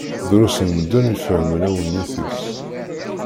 Drus n medden i ifehmen awennit-is.